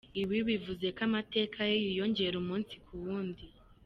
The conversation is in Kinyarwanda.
Ibi bivuze ko amateka ye yiyongera umunsi ku wundi.